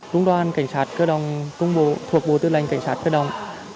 trung đoàn cảnh sát cơ động công bộ thuộc bộ tư lệnh cảnh sát cơ động